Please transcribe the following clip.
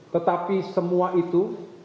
tetapi semua itu